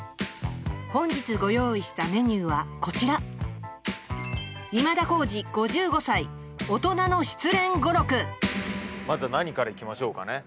本日ご用意したメニューはこちらまずは何からいきましょうかね？